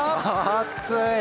熱い！